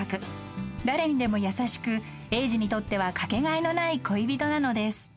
［誰にでも優しくエイジにとってはかけがえのない恋人なのです］